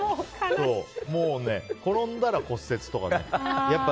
もう転んだら骨折とか。